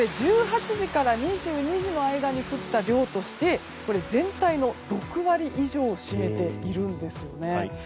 １８時から２２時の間に降った量として全体の６割以上を占めているんです。